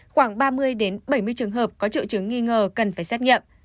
khoảng ba mươi bảy mươi trường hợp có trự trứng nghi ngờ cần phải xét nghiệm